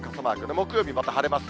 木曜日、また晴れます。